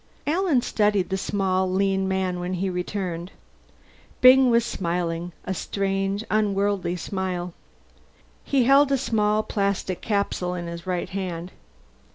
Alan studied the small, lean man when he returned. Byng was smiling a strange unworldly smile. He held a small plastic capsule in his right hand.